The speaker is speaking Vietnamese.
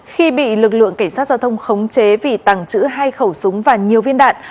khi bị lực lượng cảnh sát giao thông khống chế vì tàng trữ hai khẩu súng và nhiều viên đạn